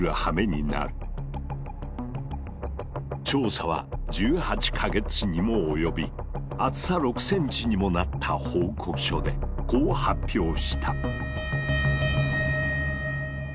調査は１８か月にも及び厚さ６ｃｍにもなった報告書でこう発表した。